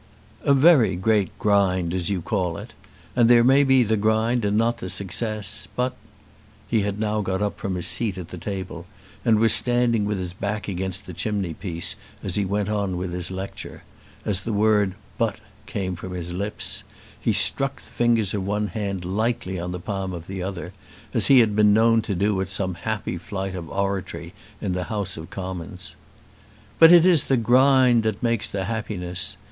"A very great grind, as you call it. And there may be the grind and not the success. But " He had now got up from his seat at the table and was standing with his back against the chimney piece, and as he went on with his lecture, as the word "But" came from his lips he struck the fingers of one hand lightly on the palm of the other as he had been known to do at some happy flight of oratory in the House of Commons. "But it is the grind that makes the happiness.